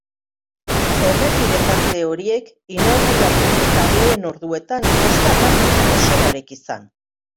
Errepide tarte horiek inauguratu eta lehen orduetan, ez da aparteko jazoerarik izan.